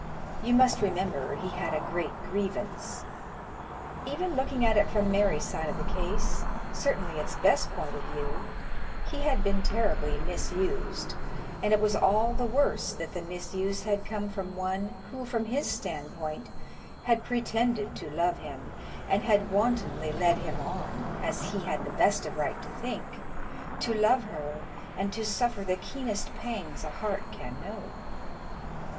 You must remember he had a great grievance. Even looking at it from Mary's side of the case, certainly its best point of view, he had been terribly misused, and it was all the worse that the misuse had come from one who, from his standpoint, had pretended to love him, and had wantonly led him on, as he had the best of right to think, to love her, and to suffer the keenest pangs a heart can know.